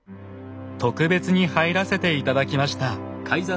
特別に入らせて頂きました。